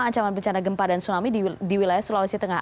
ancaman bencana gempa dan tsunami di wilayah sulawesi tengah